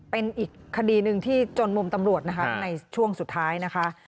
เป็นอีกคดีหนึ่งที่จนมุมตำรวจนะคะในช่วงสุดท้ายนะคะ